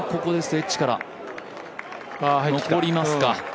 エッジから、残りますか。